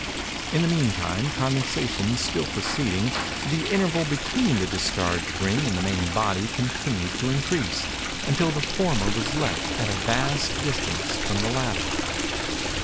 In the meantime, condensation still proceeding, the interval between the discharged ring and the main body continued to increase, until the former was left at a vast distance from the latter.